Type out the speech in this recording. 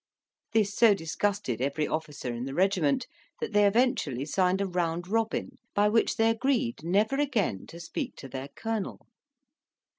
This so disgusted every officer in the regiment, that they eventually signed a round robin, by which they agreed never again to speak to their colonel.